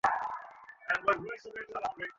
তাকে তো জন্মের আগেই নষ্ট করে ফেলতে চেয়ছিলে।